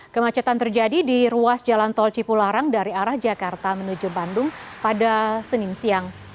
kemacetan terjadi di ruas jalan tol cipularang dari arah jakarta menuju bandung pada senin siang